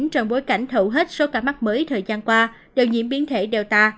trong bối cảnh hầu hết số ca mắc mới thời gian qua đều nhiễm biến thể delta